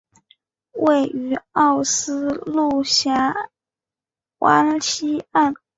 位于奥斯陆峡湾西岸。